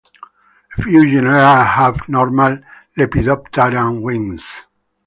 A few genera have normal lepidopteran wings.